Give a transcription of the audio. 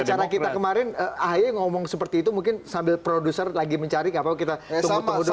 acara kita kemarin ahy ngomong seperti itu mungkin sambil produser lagi mencari gak apa apa kita tunggu tunggu